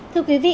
thưa quý vị